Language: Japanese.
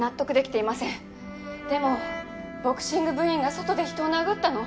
でもボクシング部員が外で人を殴ったの。